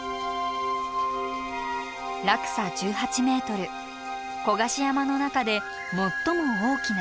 落差１８ｍ古賀志山の中で最も大きな滝。